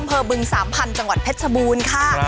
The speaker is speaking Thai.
อำเภอบึง๓๐๐๐จังหวัดเพชรภูมิค่ะ